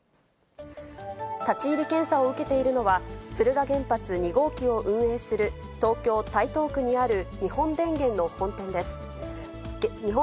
立ち入り検査を受けているのは、敦賀原発２号機を運営する東京・台東区にある日本原電の本店です。